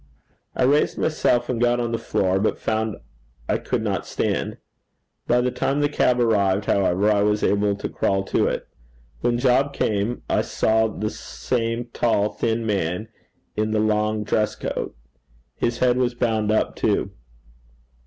I raised myself, and got on the floor, but found I could not stand. By the time the cab arrived, however, I was able to crawl to it. When Job came, I saw the same tall thin man in the long dress coat. His head was bound up too.